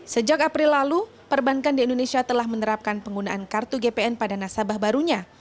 sejak april lalu perbankan di indonesia telah menerapkan penggunaan kartu gpn pada nasabah barunya